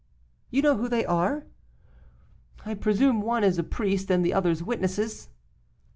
'You know who they are?' 'I presume one is a priest, and the others witnesses.